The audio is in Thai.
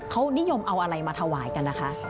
เขานิยมเอาอะไรมาถวายกันนะคะ